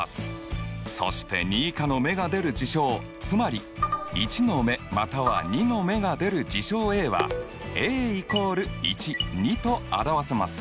そして２以下の目が出る事象つまり１の目または２の目が出る事象Ａはと表せます。